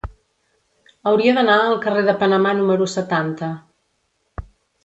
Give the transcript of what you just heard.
Hauria d'anar al carrer de Panamà número setanta.